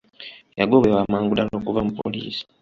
Yagobebwa amangu ddala okuva mu poliisi.